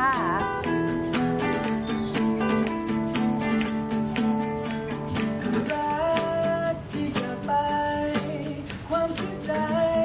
มันเกิดไหมยังเปิดตา